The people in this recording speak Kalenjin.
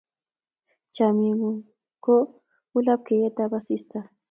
Chamyengung ko ulapleiyetap asista